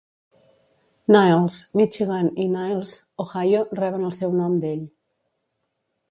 Niles, Michigan i Niles, Ohio, reben el seu nom d"ell.